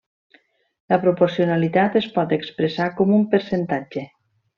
La proporcionalitat es pot expressar com un percentatge.